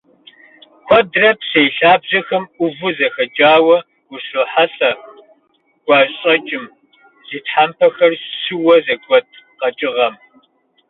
Куэдрэ псей лъабжьэхэм Ӏуву зэхэкӀауэ ущрохьэлӀэ гуащӀэкӀым - зи тхьэмпэхэр щыуэ зэгуэт къэкӀыгъэм.